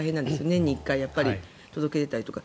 年に１回、届け出たりとか。